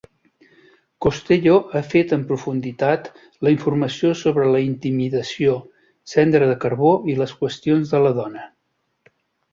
Costello ha fet en profunditat la informació sobre la intimidació, cendra de carbó, i les qüestions de la dona.